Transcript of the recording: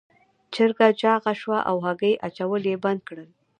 چرګه چاغه شوه او هګۍ اچول یې بند کړل.